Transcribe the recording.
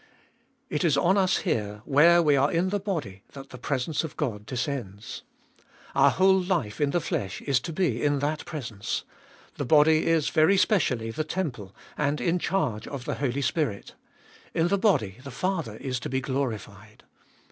It is on us here, where we are in the body, that the presence of God descends. Our whole life in the flesh is to be in that presence ; the body is very specially the temple, and in charge of the Holy Spirit ; in the body the Father is to be glorified.